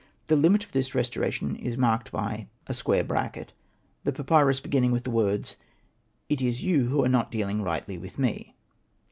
The limit of this restoration is marked by ]; the papyrus beginning with the words, ''It is you who are not dealing rightly with me."